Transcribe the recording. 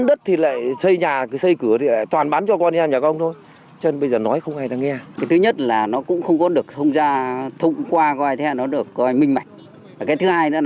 điều này trái ngược hoàn toàn